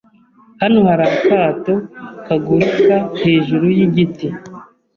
Hano hari akato kaguruka hejuru yigiti.